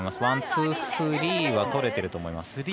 ワン、ツー、スリーはとれていると思います。